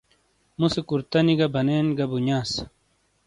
مُوسے کُرتَنی گہ بَنین گہ بُنیاس۔